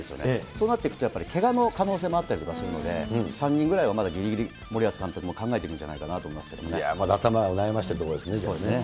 そうなっていくと、やっぱりけがの可能性もあったりとかするので、３人ぐらいはまだぎりぎり、森保監督も考えてるんじゃないかなと思いままだ頭を悩ませているところそうですね。